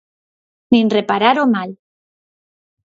Nin reparar o mal.